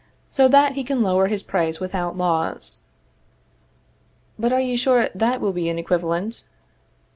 so that he can lower his price without loss. But are you sure that will be an equivalent?